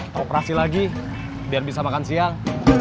beroperasi lagi biar bisa makan siang